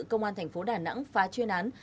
công an thành phố đà nẵng phá chuyên án